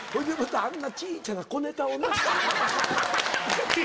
あんな小ちゃな小ネタをな。